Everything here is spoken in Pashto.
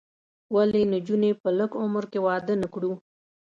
ولې نجونې په لږ عمر کې واده نه کړو؟